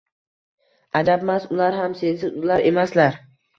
Ajabmas, ular ham sensiz — ular emaslar.